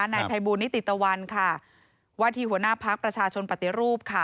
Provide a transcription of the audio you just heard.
นายพายบูรณ์นิติตะวันค่ะวัฒนีหัวหน้าพรรคประชาชนปฏิรูปค่ะ